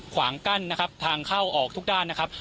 ขวางกั้นนะครับทางเข้าออกทุกด้านนะครับ